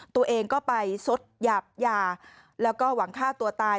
ตัวเองก็ไปซดหยาบยาแล้วก็หวังฆ่าตัวตาย